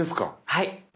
はい。